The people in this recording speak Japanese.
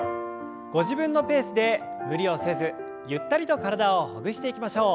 ご自分のペースで無理をせずゆったりと体をほぐしていきましょう。